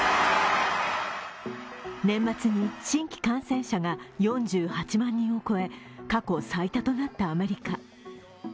年末に新規感染者が４８万人を超え、過去最多となったアメリカ。